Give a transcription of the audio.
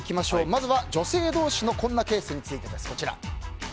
まずは女性同士のこんなケースについてです。